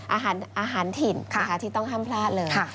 อาหารถิ่นที่ต้องห้ามพลาดเลย